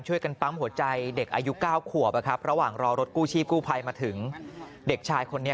ช่วยกันปั๊มหัวใจเด็กอายุ๙ขวบระหว่างรอรถกู้ชีพกู้ภัยมาถึงเด็กชายคนนี้